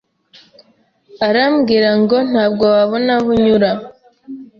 arambwira ngo ntabwo wabona aho unyura.